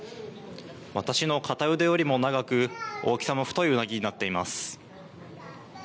私の片腕よりも長く大きさも太いうなぎになっています。